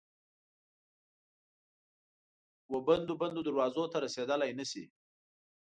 وبندو، بندو دروازو ته رسیدلای نه شي